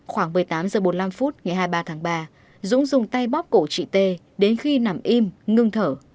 khoảng một mươi tám giờ bốn mươi năm phút ngày hai mươi ba tháng ba dũ dùng tay bóp cổ chị tây đến khi nằm im ngưng thở